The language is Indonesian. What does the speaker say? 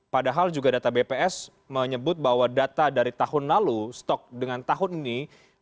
padahal juga data bps menyebut bahwa data dari tahun lalu stok dengan tahun ini